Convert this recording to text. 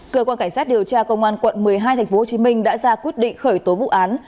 cơ quan cảnh sát điều tra công an quận một mươi hai tp hcm đã ra quyết định khởi tố vụ án